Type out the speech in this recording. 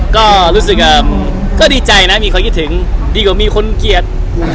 ก็รู้สึกก็ดีใจนะมีความคิดถึงดีกว่ามีคนเกลียด